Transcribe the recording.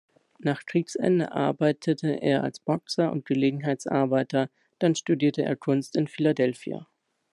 Nach Kriegsende arbeitete er als Boxer und Gelegenheitsarbeiter, dann studierte er Kunst in Philadelphia.